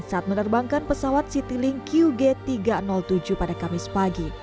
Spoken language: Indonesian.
saat menerbangkan pesawat citylink qg tiga ratus tujuh pada kamis pagi